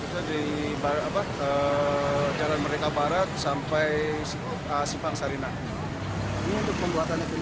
pembuatan marka jalur khusus sepeda motor ini disambut baik pengendara sepeda motor yang mengaku setuju